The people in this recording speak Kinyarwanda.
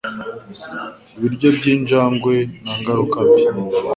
ibiryo by'injangwe nta ngaruka mbi